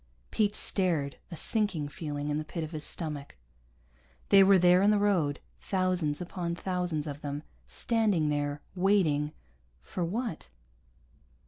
Pete stared, a sinking feeling in the pit of his stomach. They were there in the road, thousands upon thousands of them, standing there, waiting for what?